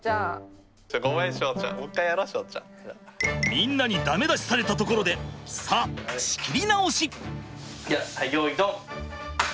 みんなに駄目出しされたところでさあ仕切り直し！